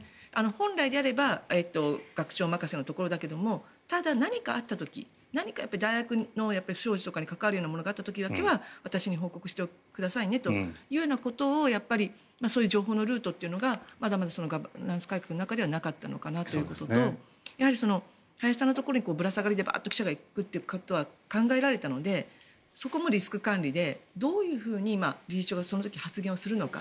本来であれば学長任せのところだけどただ、何かあった時何か大学の不祥事とかに関わることがあった時は私に報告してくださいねというようなことをそういう情報のルートというのがまだまだガバナンス改革の中ではなかったのかなということとやはり、林さんのところにぶら下がりで記者がバーッと行くことは考えられたのでそこもリスク管理でどういうふうに理事長がその時、発言するのか。